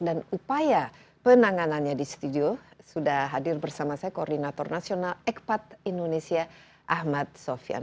upaya penanganannya di studio sudah hadir bersama saya koordinator nasional ekpat indonesia ahmad sofyan